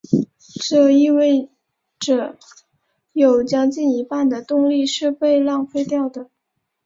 这意味者有将近一半的动力是被浪费掉的。